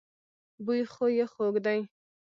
بوی خو يې خوږ دی.